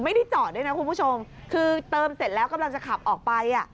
ไม่ได้จอดด้วยนะคุณผู้ชมคือเติมเสร็จแล้วกำลังจะขับออกไปอ่ะ